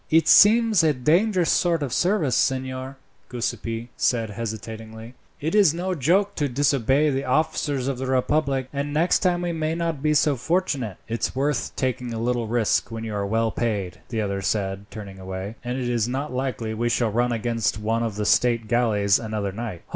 "It seems a dangerous sort of service, signor," Giuseppi said hesitatingly. "It is no joke to disobey the officers of the republic, and next time we may not be so fortunate." "It's worth taking a little risk when you are well paid," the other said, turning away, "and it is not likely we shall run against one of the state galleys another night."